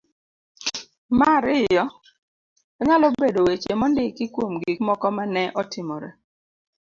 ma ariyo .Onyalo bedo weche mondiki kuom gik moko ma ne otimore.